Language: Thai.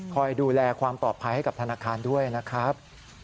คอยดูแลความปลอดภัยให้กับธนาคารด้วยนะครับ